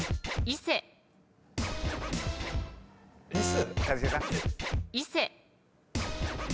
伊勢。